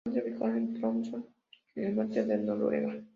Se encuentra ubicado en Tromsø, en el norte de Noruega.